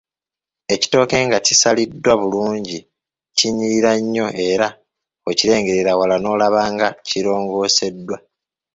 Ekitooke nga kisaliddwa bulungi, kinyirira nnyo era okirengerera wala n’olaba nga kirongooseddwa.